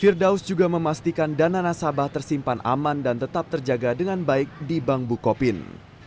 firdaus juga memastikan dana nasabah tersimpan aman dan tetap terjaga dengan baik di bank bukopin